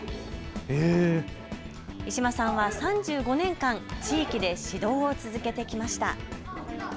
石間さんは３５年間、地域で指導を続けてきました。